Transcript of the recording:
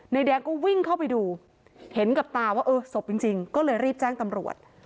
แดงก็วิ่งเข้าไปดูเห็นกับตาว่าเออศพจริงก็เลยรีบแจ้งตำรวจ